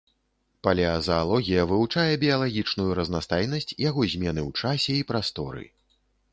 Палеазаалогія вывучае біялагічную разнастайнасць, яго змены ў часе і прасторы.